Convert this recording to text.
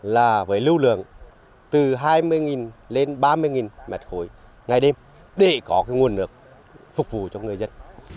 là với lưu lượng từ hai mươi lên ba mươi mét khối ngày đêm để có cái nguồn nước phục vụ cho người dân